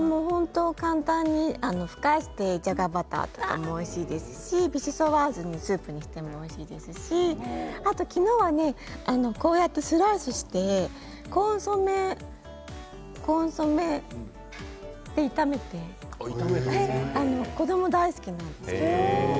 簡単にふかしてじゃがバターとかもおいしいですしビシソワーズのスープにしてもおいしいですし昨日はスライスしてコンソメで炒めて子ども大好きなんですけど。